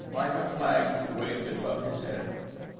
Like a flag, he waved it above his head!